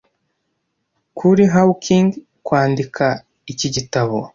Kuri Hawking, kwandika iki gitabo